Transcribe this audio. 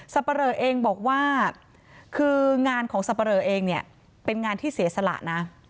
ปะเรอเองบอกว่าคืองานของสับปะเลอเองเนี่ยเป็นงานที่เสียสละนะ